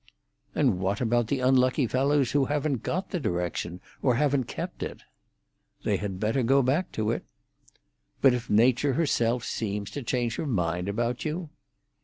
"And what about the unlucky fellows who haven't got the direction, or haven't kept it?" "They had better go back to it." "But if Nature herself seemed to change her mind about you?"